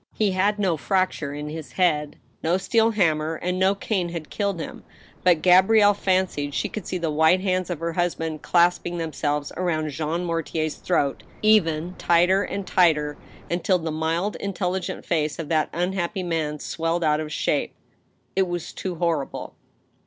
He had no fracture in his head — ^no steel hammer and no cane had killed him — ^but Gabrielle fancied she could see the white hands of her husband clasping themselves around Jean Mortier's throat ever tighter and tighter, until the mild, intelligent face of that un happy man swelled put of shape. It was too horrible.